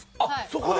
そこで？